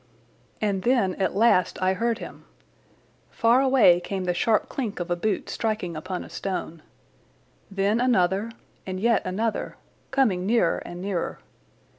And then at last I heard him. Far away came the sharp clink of a boot striking upon a stone. Then another and yet another, coming nearer and nearer.